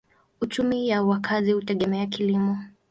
Uchumi ya wakazi hutegemea kilimo.